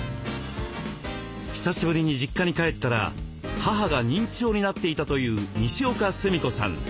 久しぶりに実家に帰ったら母が認知症になっていたというにしおかすみこさん。